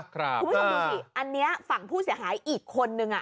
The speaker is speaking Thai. คุณผู้ชมดูสิอันนี้ฝั่งผู้เสียหายอีกคนนึง